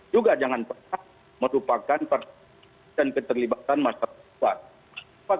juga jangan pernah merupakan perusahaan keterlibatan masyarakat luas